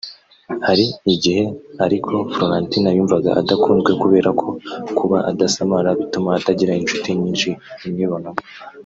Hari igihe ariko Florentine yumva adakunzwe kubera ko kuba adasamara bituma atagira inshuti nyinshi zimwibonamo